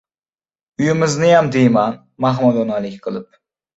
— Uyimizniyam, — deyman mahmadonalik qilib.